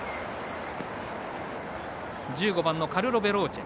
１５番カルロヴェローチェ。